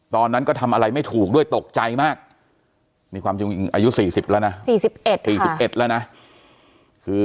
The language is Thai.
ตอนนั้นก็ทำอะไรไม่ถูกด้วยตกใจมากนี่ความจริงอายุ๔๐แล้วนะ๔๑๔๑แล้วนะคือ